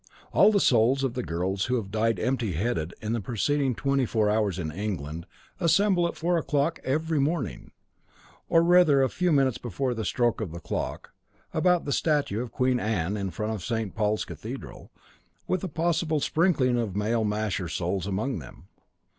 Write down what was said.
All the souls of the girls who have died empty headed in the preceding twenty four hours in England assemble at four o'clock every morning, or rather a few minutes before the stroke of the clock, about the statue of Queen Anne in front of St. Paul's Cathedral, with a possible sprinkling of male masher souls among them.